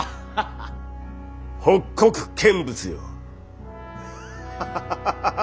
北国見物よ。